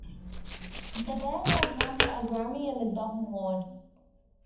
The band has won a Grammy and a Dove Award.